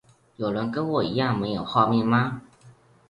有人跟我一樣沒有畫面嗎？